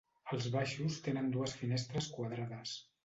Els baixos tenen dues finestres quadrades.